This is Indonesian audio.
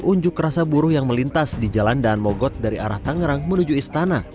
unjuk rasa buruh yang melintas di jalan daan mogot dari arah tangerang menuju istana